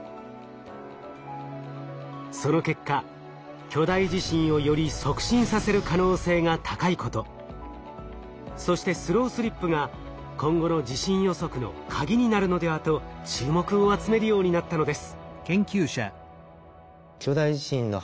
その結果巨大地震をより促進させる可能性が高いことそしてスロースリップが今後の地震予測のカギになるのではと注目を集めるようになったのです。